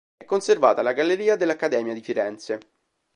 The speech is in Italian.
È conservata alla Galleria dell'Accademia di Firenze.